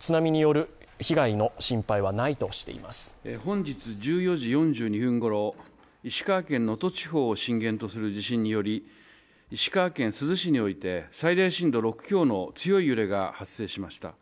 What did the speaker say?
本日１４時４２分ごろ、石川県能登地方を震源とする地震により、石川県珠洲市において最大震度６強の強い揺れが発生しました。